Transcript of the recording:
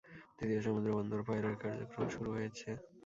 তৃতীয় সমুদ্রবন্দর পায়রার কার্যক্রম শুরু হয়েছে।